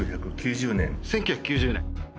１９９０年。